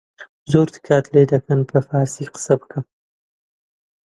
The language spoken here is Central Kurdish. «زۆر تکات لێ دەکەن بە فارسی قسە بکە